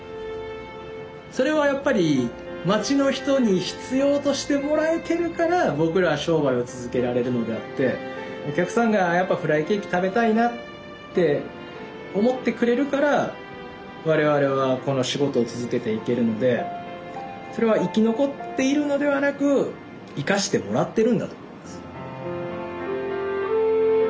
それはやっぱり街の人に必要としてもらえてるから僕らは商売を続けられるのであってお客さんがやっぱフライケーキ食べたいなって思ってくれるから我々はこの仕事を続けていけるのでそれは生き残っているのではなく生かしてもらってるんだと思います。